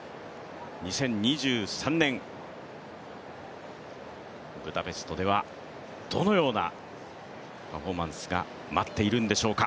２０２３年、ブダペストではどのようなパフォーマンスが待っているんでしょうか。